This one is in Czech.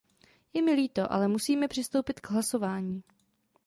Je mi líto, ale musíme přistoupit k hlasování.